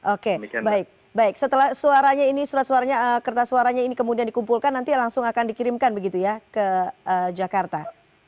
oke baik baik setelah suaranya ini surat suaranya kertas suaranya ini kemudian dikumpulkan nanti langsung akan dikirimkan begitu ya ke jakarta